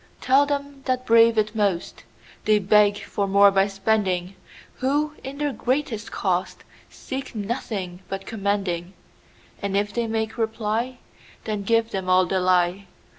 Tell them that brave it most, They beg for more by spending, Who, in their greatest cost, Seek nothing but commending:And if they make reply, Then give them all the lie.